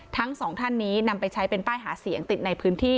ทั้งสองท่านนี้นำไปใช้เป็นป้ายหาเสียงติดในพื้นที่